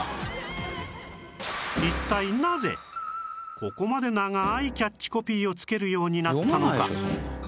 一体なぜここまで長ーいキャッチコピーを付けるようになったのか？